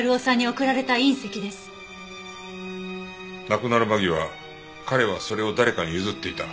亡くなる間際彼はそれを誰かに譲っていた。